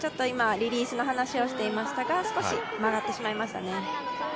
今、リリースの話をしていましたが、少し曲がってしまいましたね。